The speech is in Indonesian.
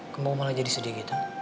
kamu malah jadi sedih gitu